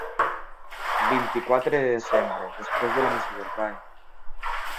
Vint-i-quatre de desembre, després de la Missa del Gall.